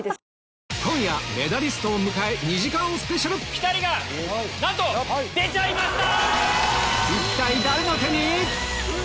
今夜メダリストを迎え２時間スペシャルピタリがなんと！出ちゃいました‼